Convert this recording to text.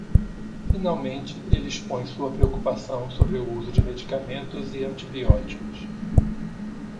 Finalmente, ele expõe sua preocupação sobre o uso de medicamentos e antibióticos.